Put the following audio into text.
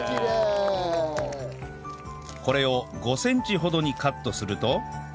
これを５センチほどにカットすると